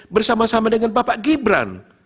bersama sama dengan bapak gibran